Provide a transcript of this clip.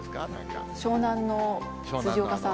湘南の辻岡さん。